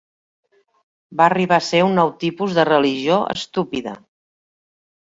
Va arribar a ser un nou tipus de religió estúpida ...